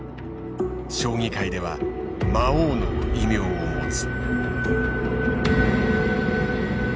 将棋界では魔王の異名を持つ。